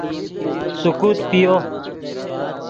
سیکوت پیو